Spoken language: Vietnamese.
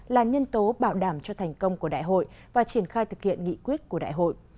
là nhân tố bảo đảm cho thành công của đại hội và triển khai thực hiện nghị quyết của đại hội